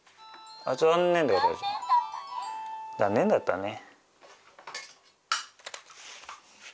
残念だったね。